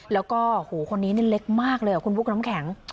แล้วก็คนนี้เล็กมากเลยคุณพุกน้ำแข็ง